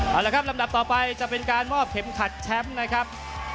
เอาละครับลำดับต่อไปจะเป็นการมอบเข็มขัดแชมป์นะครับ